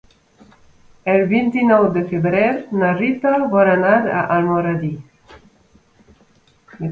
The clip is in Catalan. El vint-i-nou de febrer na Rita vol anar a Almoradí.